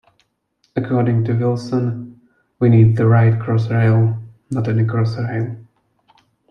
According to Wilson, "We need the right Crossrail, not any Crossrail".